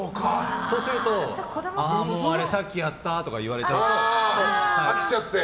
そうすると、あれさっきやった！とか言われちゃって。